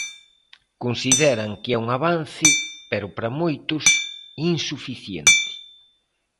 Consideran que é un avance, pero para moitos, insuficiente.